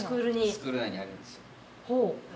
スクール内にあるんですよ。